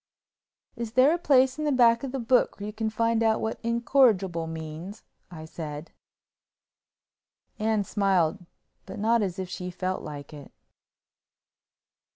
"Is there a place in the back of the book where you can find out what incorrigible means?" I said. Anne smiled, but not as if she felt like it.